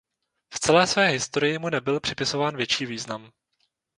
V celé své historii mu nebyl připisován větší význam.